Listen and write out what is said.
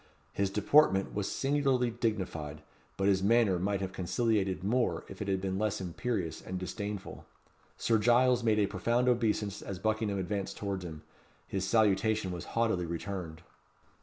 His deportment was singularly dignified; but his manner might have conciliated more if it had been less imperious and disdainful. Sir Giles made a profound obeisance as Buckingham advanced towards him. His salutation was haughtily returned.